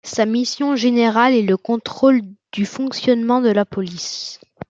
Sa mission générale est le contrôle du fonctionnement de la Police.